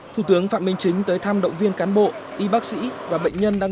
thủ tướng phạm minh chính tới thăm động viên cán bộ y bác sĩ và bệnh nhân đang